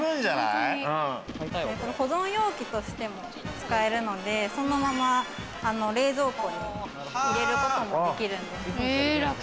保存容器としても使えるので、そのまま冷蔵庫に入れることもできるんです。